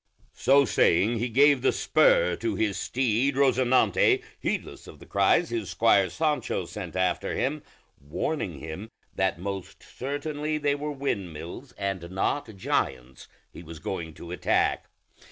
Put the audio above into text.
So saying, he gave the spur to his steed Rosinante, heedless of the cries his squire Sancho sent after him, warning him that most certainly they were windmills and not giants he was going to attack.